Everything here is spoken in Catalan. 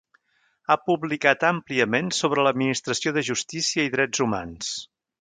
Ha publicat àmpliament sobre l'administració de justícia i drets humans.